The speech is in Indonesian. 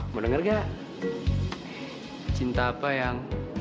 mau dengar gak cinta apa yang